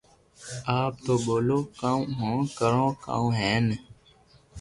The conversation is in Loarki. آپ تو ٻولو ڪاو ھون ڪرو ڪاوُ ھين